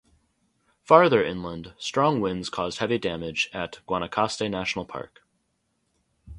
Farther inland, strong winds caused heavy damage at Guanacaste National Park.